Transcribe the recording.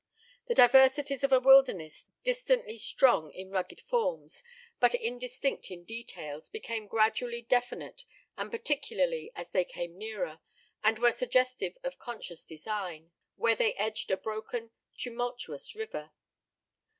The diversities of a wilderness, distantly strong in rugged forms, but indistinct in details, became gradually definite and particular as they came nearer, and were suggestive of conscious design, where they edged a broken, tumultuous river.